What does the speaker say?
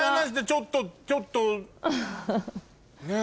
ちょっとちょっとねぇ。